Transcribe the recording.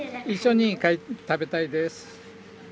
一緒に食べたいです。